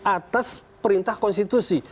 atas perintah konstitusi